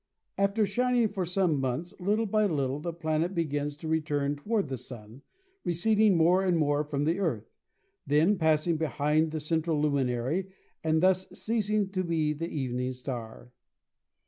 After shining for some months, little by little the planet begins to return toward the Sun, receding more and more from the Earth, then passing behind the central luminary and thus ceasing to be the evening star.